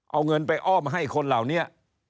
เอาเงินไปอ้อมให้คนเหล่านี้